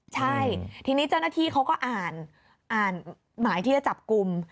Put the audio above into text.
ใช่ทีนี้เจ้าหน้าที่เขาก็อ่านอ่านหมายที่จะจับกลุ่ม